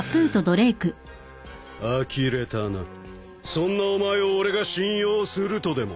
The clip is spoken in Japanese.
そんなお前を俺が信用するとでも？